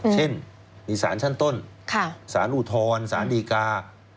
เช่นมีสารชั้นต้นสารอุทธรสารดีกา